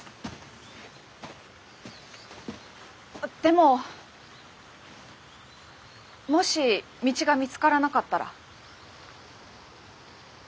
でももし道が見つからなかったら？